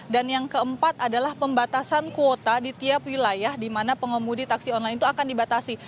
dan yang keempat adalah pembatasan kuota di tiap wilayah di mana pengemudi taksi online itu akan dibatasi